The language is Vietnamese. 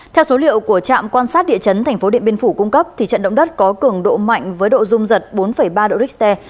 theo số liệu của trạm quan sát địa chấn tp điện biên phủ cung cấp trận động đất có cứng độ mạnh với độ rung rật bốn ba độ richter